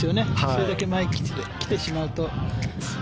それだけ前に来てしまうと。